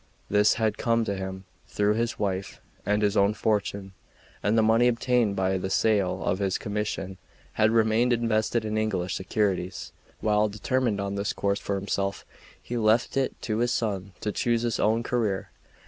This had come to him through his wife, and his own fortune and the money obtained by the sale of his commission had remained invested in English securities. While determined on this course for himself, he left it to his son to choose his own career.